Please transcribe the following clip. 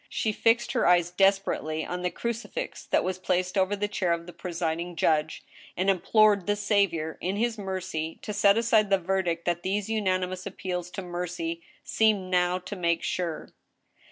She fixed her eyes desperately on the crucifix that was placed over the chair of the presiding judge, and implored the Saviour in his mercy to set aside the verdict that these unanimous appeals to mercy seemed now to make sure.